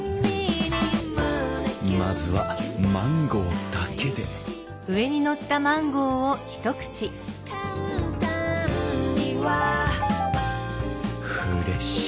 まずはマンゴーだけでフレッシュ！